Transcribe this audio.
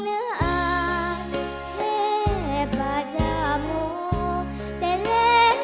ร้องได้ให้ร้อง